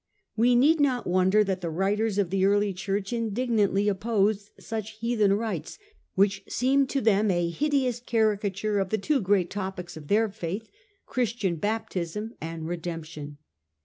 We need not wonder that the writers of the early church indignantly opposed such heathen rites, which seemed to them a hideous caricature of the two great topics of their faith, Christian Baptism and Redemption.